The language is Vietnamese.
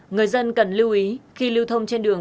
người dân cần lưu ý khi lưu thông trên đường